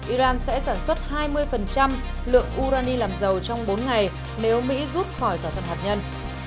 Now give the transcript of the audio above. iran sẽ sản xuất hai mươi lượng urani làm dầu trong bốn ngày nếu mỹ rút khỏi thỏa thuận hạt nhân